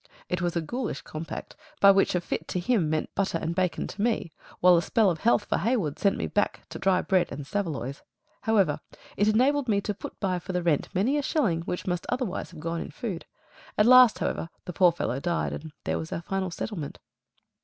It was a ghoulish compact, by which a fit to him meant butter and bacon to me, while a spell of health for Haywood sent me back to dry bread and saveloys. However, it enabled me to put by for the rent many a shilling which must otherwise have gone in food. At last, however, the poor fellow died, and there was our final settlement.